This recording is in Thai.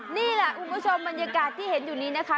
นี่แหละมันกระที่เห็นอยู่นี้นะคะ